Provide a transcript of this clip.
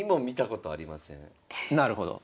なるほど。